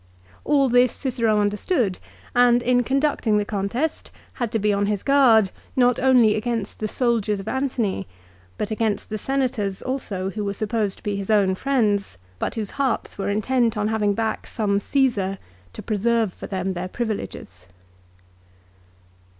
All this Cicero understood, and, in conducting the contest, had to be on his guard, not only against the soldiers of Antony, but against the Senators also who were supposed to be his own friends, but whose hearts were intent on having back some Caesar to preserve for them their privileges.